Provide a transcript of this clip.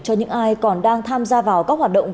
cho những ai còn đang tham gia vào các hoạt động